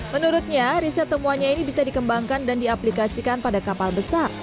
menurutnya riset temuannya ini bisa dikembangkan dan diaplikasikan pada kapal besar